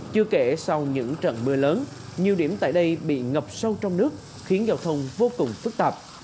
chưa kể sau những trận mưa lớn nhiều điểm tại đây bị ngập sâu trong nước khiến giao thông vô cùng phức tạp